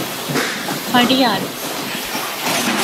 ފަނޑިޔާރު